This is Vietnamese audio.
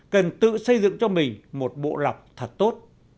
cần tự xây dựng cho mình một bộ lọc thật tốt